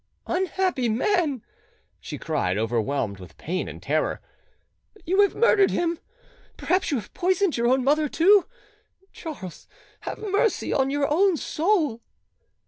"Unhappy man!" she cried, overwhelmed with, pain and terror, "you have murdered him! Perhaps you have poisoned your mother too! Charles, Charles, have mercy on your own soul!"